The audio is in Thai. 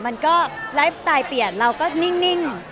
มันก็ไลฟ์สไตล์เปลี่ยนเราก็นิ่ง